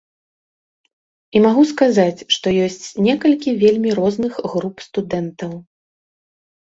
І магу сказаць, што ёсць некалькі вельмі розных груп студэнтаў.